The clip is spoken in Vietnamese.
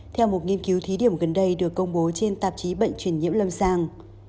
theo một nghiên cứu thí điểm gần đây được công bố trên tạp chí bệnh truyền nhiễm lâm sàng